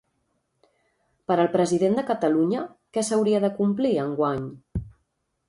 Per al president de Catalunya, què s'hauria de complir enguany?